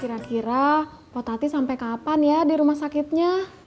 kira kira potati sampai kapan ya di rumah sakitnya